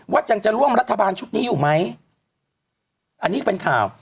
ยังจะร่วมรัฐบาลชุดนี้อยู่ไหมอันนี้เป็นข่าว